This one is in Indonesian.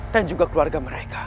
dan juga keluarga mereka